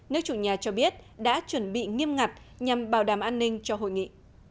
nước chủ nhà cho biết đã chuẩn bị nghiêm ngặt nhằm bảo đảm an ninh cho hội nghị